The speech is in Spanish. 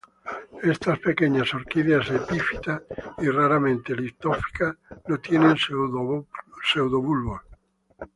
Estas pequeñas orquídeas epífitas y raramente litófitas no tienen pseudobulbos.